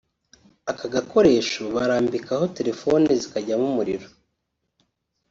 Aka gakoresho barambikaho telefoni zikajyamo umuriro